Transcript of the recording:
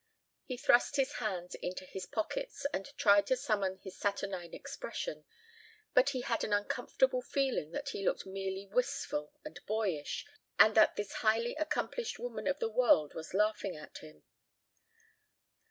He thrust his hands into his pockets and tried to summon his saturnine expression, but he had an uncomfortable feeling that he looked merely wistful and boyish and that this highly accomplished woman of the world was laughing at him.